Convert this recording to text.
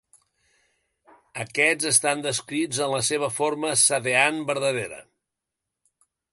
Aquests estan descrits en la seva forma Sadean vertadera.